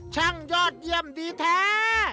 ช่างยอดเยี่ยมดีแท้